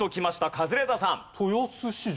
カズレーザーさん。